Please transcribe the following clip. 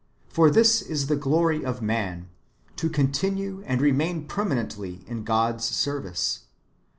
For this is the glory of man, to continue and remain permanently in God's service.